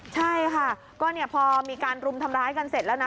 ใช่ค่ะก็เนี่ยพอมีการรุมทำร้ายกันเสร็จแล้วนะ